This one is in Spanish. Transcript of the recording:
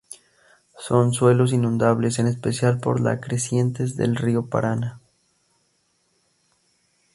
Son suelos inundables, en especial por la crecientes del río Paraná.